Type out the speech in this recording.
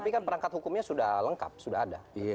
tapi kan perangkat hukumnya sudah lengkap sudah ada